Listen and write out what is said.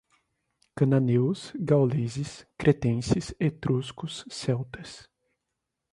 Cananeus, gauleses, cretenses, etruscos, celtas